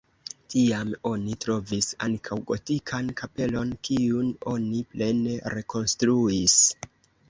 Tiam oni trovis ankaŭ gotikan kapelon, kiun oni plene rekonstruis.